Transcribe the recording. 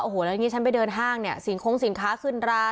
โอ้โหแล้วอันนี้ฉันไปเดินห้างเนี่ยสินค้าขึ้นรา